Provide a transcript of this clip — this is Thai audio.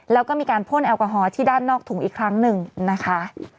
แล้วก็มีการพ่นแอลกอฮอลที่ด้านนอกถุงอีกครั้งหนึ่งนะคะ